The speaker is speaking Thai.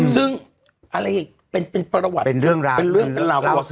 ซึ่งอะไรเป็นประวัติเป็นเรื่องราวเป็นเรื่องเป็นราว